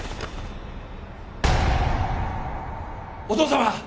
お父さま！